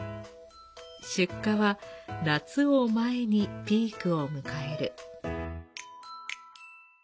出荷は、夏を前にピークを迎える。